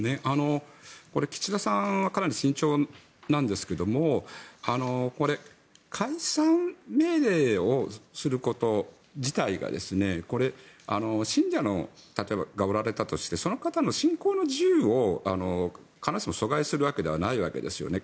これ、岸田さんはかなり慎重なんですが解散命令をすること自体がこれ、信者がおられたとしてその方の信仰の自由を必ずしも阻害するわけではないですよね。